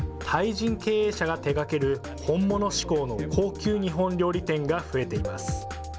人経営者が手がける本物志向の高級日本料理店が増えています。